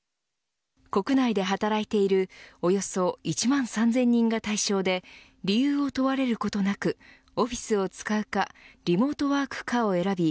国内で働いているおよそ１万３０００人が対象で理由を問われることなくオフィスを使うかリモートワークかを選び